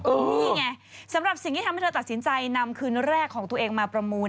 นี่ไงสำหรับสิ่งที่ทำให้เธอตัดสินใจนำคืนแรกของตัวเองมาประมูล